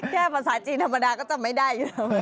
แค่ภาษาจีนธรรมดาก็จะไม่ได้